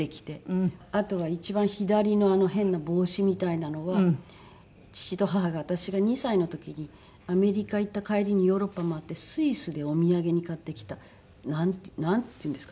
あとは一番左のあの変な帽子みたいなのは父と母が私が２歳の時にアメリカ行った帰りにヨーロッパ回ってスイスでお土産に買ってきたなんていうんですかね